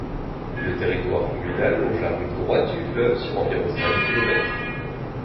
Le territoire communal longe la rive droite du fleuve sur environ cinq kilomètres.